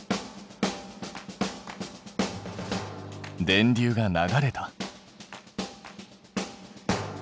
電流が流れた。